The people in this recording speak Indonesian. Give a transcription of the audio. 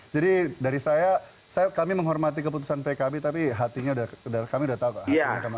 jadi dari saya kami menghormati keputusan pkb tapi hatinya kami sudah tahu pak